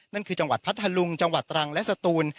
นั่นคือจังหวัดพัทธลุงจังหวัดตรังและสตูน